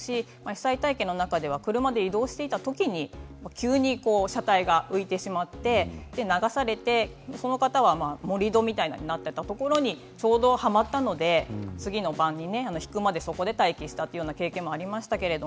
被災体験の中には車で移動していたときに急に車体が浮いてしまって流されてその方は盛り土みたいなところになったところにちょうどはまったので水が引くまでそこで待機したという経験がありました。